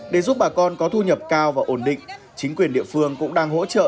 để giúp bà con có thu nhập cao và ổn định chính quyền địa phương cũng đang hỗ trợ